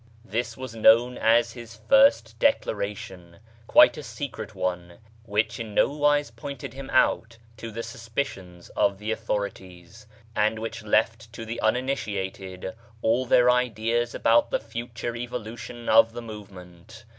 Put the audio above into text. This was known 56 BAHAISM as his first declaration — quite a secret one — which in no wise pointed him out to the suspicions of the authorities, and which left to the uninitiated all their ideas about the future evolution of the movement.